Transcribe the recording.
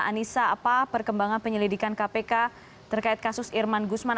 anissa apa perkembangan penyelidikan kpk terkait kasus irman gusman